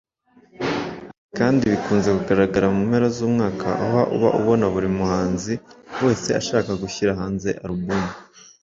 Ibi kandi bikunze kugaragara mu mpera z’umwaka aho uba ubona buri muhanzi wese ashaka gushyira hanze alubumu